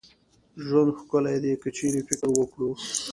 ژوند ښکلې دي که چيري فکر وکړو